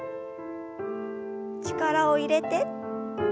力を入れて。